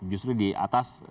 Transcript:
justru di atas